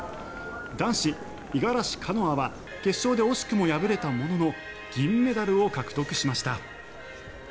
男子、五十嵐カノアは決勝で惜しくも敗れたものの銀メダルを獲得しました。